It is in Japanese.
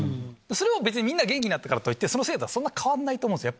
それを別にみんなが元気になったからといって、その制度は、そんな変わんないと思うんですよ。